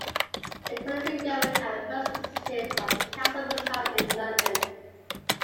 The colony's government at first consisted of a council residing in London.